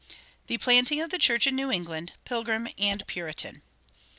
THE PLANTING OF THE CHURCH IN NEW ENGLAND PILGRIM AND PURITAN.